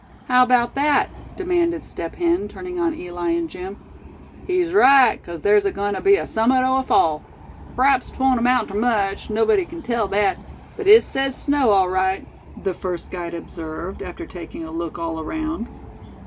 "How about that?" demanded Step Hen, turning on Eli and Jim. "He's right, 'cause thar's agoin' ter be summat o' a fall. P'raps 'twon't amount ter much, nobody kin tell that; but it sez snow, all right," the first guide observed, after taking a look all around.